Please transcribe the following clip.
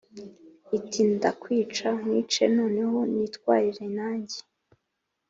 iti ndakwica, nkwice noneho nitwarire nanjye